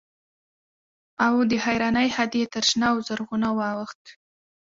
او د حيرانۍ حد يې تر شنه او زرغونه واوښت.